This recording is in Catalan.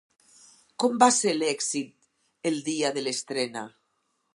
Com va ser l'èxit el dia de l'estrena?